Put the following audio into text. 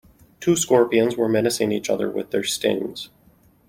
Two scorpions were menacing each other with their stings.